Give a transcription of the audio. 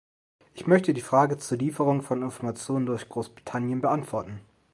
Ich möchte die Frage zur Lieferung von Informationen durch Großbritannien beantworten.